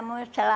mau bicara apa